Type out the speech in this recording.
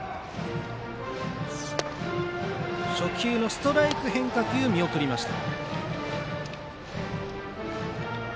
初球のストライク変化球見送りました。